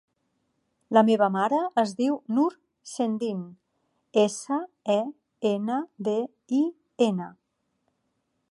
La meva mare es diu Nur Sendin: essa, e, ena, de, i, ena.